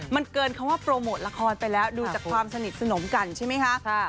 มันเกินคำว่าโปรโมทละครไปแล้วดูจากความสนิทสนมกันใช่ไหมคะ